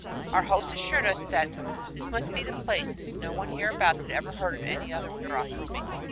Our hosts assured us that this must be the place, since no one hereabouts had ever heard of any other Yurak Rumi.